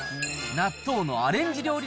納豆のアレンジ料理